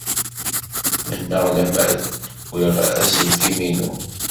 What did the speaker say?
Mennaɣ lemmer d-wwiɣ aselkim-inu.